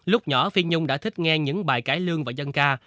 lúc nhỏ phi nhung đã thích nghe những bài cải lương và dân ca